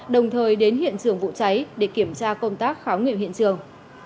đồng thời đến hiện trường vụ cháy để kiểm tra công tác khám nghiệm hiện trường